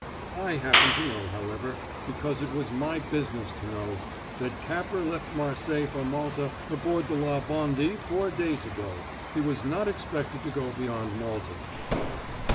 I happen to know, however, because it was my business to know, that Capper left Marseilles for Malta aboard La Vendée four days ago; he was not expected to go beyond Malta."